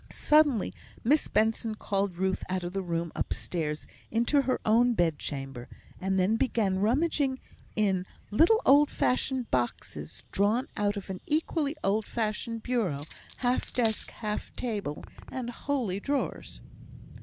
Suddenly, Miss Benson called Ruth out of the room, upstairs into her own bed chamber, and then began rummaging in little old fashioned boxes, drawn out of an equally old fashioned bureau, half desk, half table, and wholly drawers.